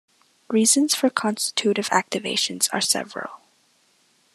Reasons for constitutive activation are several.